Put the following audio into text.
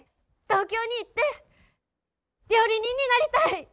東京に行って料理人になりたい。